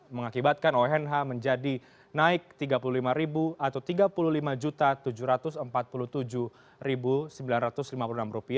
mengakibatkan onh menjadi naik rp tiga puluh lima atau rp tiga puluh lima tujuh ratus empat puluh tujuh sembilan ratus lima puluh enam